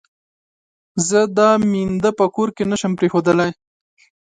زه دا مينده په کور کې نه شم پرېښودلای.